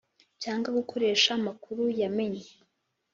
cyangwa gukoresha amakuru yamenye